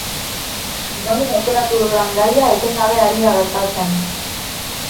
Gaur aukeratu dudan gaia etengabe ari da gertatzen.